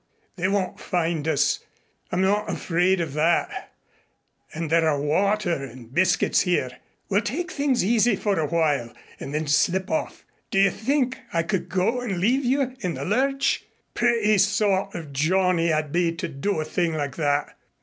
They won't find us. I'm not afraid of that, and there are water and biscuits here. We'll take things easy for a while and then slip off. Do you think I could go and leave you in the lurch? Pretty sort of a Johnny I'd be to do a thing like that!